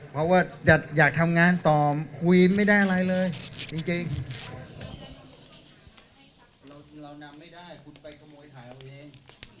เพราะว่าอยากทำงานต่อคุยไม่ได้อะไรเลยจริง